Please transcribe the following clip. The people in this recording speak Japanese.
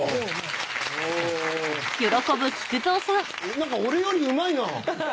何か俺よりうまいな。